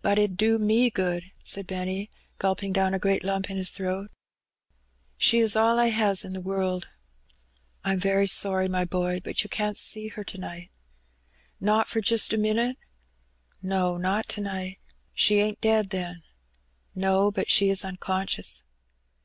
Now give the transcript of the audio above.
"But it 'ud do me good," said Benny, gulping down a great lump in his throat. " She is all I has in the world." " I'm very sorry, my boy, but you can't see her to night." "Not for jist a minit?" "No, not to night.*' "She ain't dead, then?" "No, but she is unconscious."